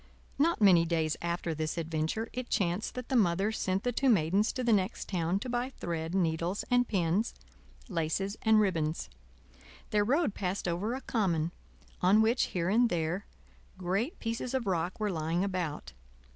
Not many days after this adventure, it chanced that the Mother sent the two Maidens to the next town to buy thread, needles and pins, laces and ribbons. Their road passed over a common, on which here and there great pieces of rock were lying about.